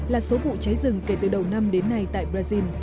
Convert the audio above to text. tám mươi bốn là số vụ cháy rừng kể từ đầu năm đến nay tại brazil